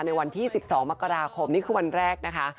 ในวันที่๑๒มกราคมนี่คือวันแรกนะคะ